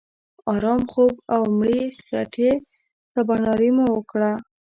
آرام خوب او مړې خېټې سباناري مو وکړه.